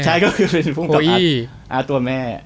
ใช่ก็คือผู้กำกับอาร์ตตัวแม่